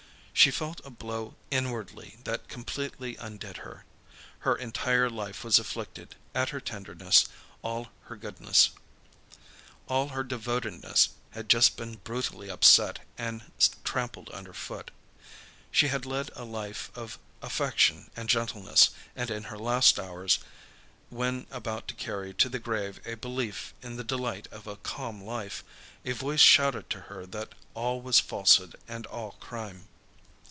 She felt a blow inwardly that completely undid her. Her entire life was afflicted: all her tenderness, all her goodness, all her devotedness had just been brutally upset and trampled under foot. She had led a life of affection and gentleness, and in her last hours, when about to carry to the grave a belief in the delight of a calm life, a voice shouted to her that all was falsehood and all crime.